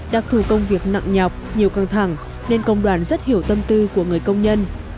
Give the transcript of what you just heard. đặc thù công việc nặng nhọc nhiều căng thẳng nên công đoàn rất hiểu tâm tư của người công nhân